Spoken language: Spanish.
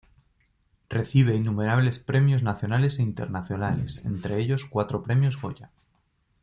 Recibe innumerables premios nacionales e internacionales entre ellos cuatro premios Goya.